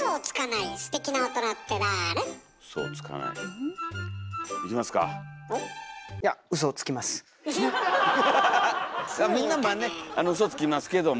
いやみんなまあねウソつきますけども。